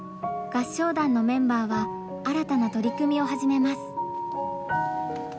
合唱団のメンバーは新たな取り組みを始めます。